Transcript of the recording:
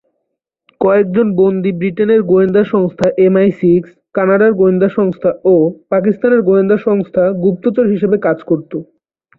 কয়েকজন বন্দী ব্রিটেনের গোয়েন্দা সংস্থা এমআই-সিক্স, কানাডীয় গোয়েন্দা সংস্থা ও পাকিস্তানি গোয়েন্দা সংস্থা গুপ্তচর হিসাবে কাজ করতো।